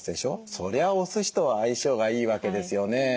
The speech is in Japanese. そりゃおすしとは相性がいいわけですよね。